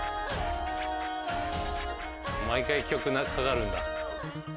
毎回曲かかるんだ。